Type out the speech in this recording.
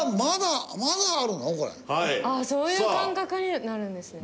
ああそういう感覚になるんですね。